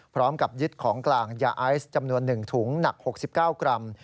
พร้อมกับยึดของกลางยาไอซ์จำนวน๑ถุงหนัก๖๙กรัม